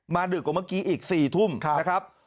ดึกกว่าเมื่อกี้อีก๔ทุ่มนะครับ